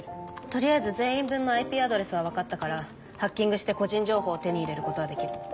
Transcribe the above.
取りあえず全員分のＩＰアドレスは分かったからハッキングして個人情報を手に入れることはできる。